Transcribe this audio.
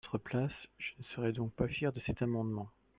À votre place, je ne serai donc pas fier de cet amendement.